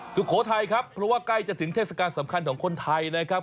สุโขทัยครับเพราะว่าใกล้จะถึงเทศกาลสำคัญของคนไทยนะครับ